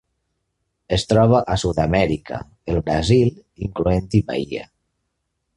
Es troba a Sud-amèrica: el Brasil, incloent-hi Bahia.